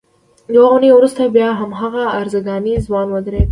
یوه اونۍ وروسته بیا هماغه ارزګانی ځوان ودرېد.